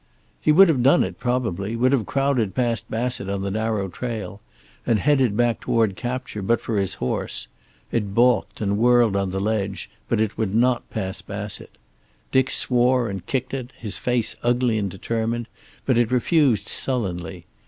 He would have done it, probably, would have crowded past Bassett on the narrow trail and headed back toward capture, but for his horse. It balked and whirled on the ledge, but it would not pass Bassett. Dick swore and kicked it, his face ugly and determined, but it refused sullenly.